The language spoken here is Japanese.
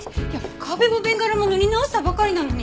壁もベンガラも塗り直したばかりなのに。